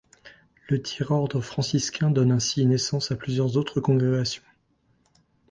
Le Tiers-Ordre franciscain donne ainsi naissance à plusieurs autres congrégations.